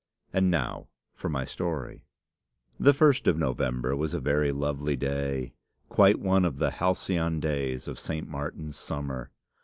And now for my story. "The first of November was a very lovely day, quite one of the 'halcyon days' of 'St. Martin's summer.